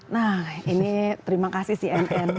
nah ini terima kasih si mn